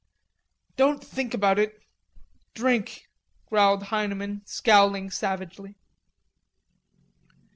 "Don't think about it.... Drink," growled Heineman, scowling savagely.